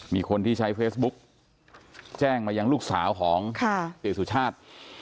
มีคนที่ใช้เฟซบุ๊กแจ้งมายังลูกสาวของเสียสุชาติ